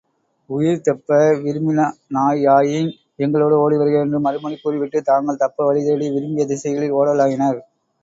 உயிர்தப்ப விரும்பினாயாயின் எங்களோடு ஓடிவருக என்று மறுமொழி கூறிவிட்டுத் தாங்கள் தப்ப வழிதேடி, விரும்பிய திசைகளில் ஒடலாயினர்.